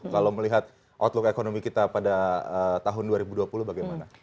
kalau melihat outlook ekonomi kita pada tahun dua ribu dua puluh bagaimana